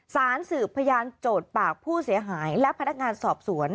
สืบพยานโจทย์ปากผู้เสียหายและพนักงานสอบสวน